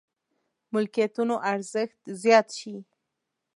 ملکيتونو ارزښت زيات شي.